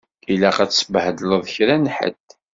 Ilaq ad tsebhedleḍ kra n ḥedd.